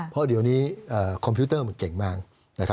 เพราะเดี๋ยวนี้คอมพิวเตอร์มันเก่งมาก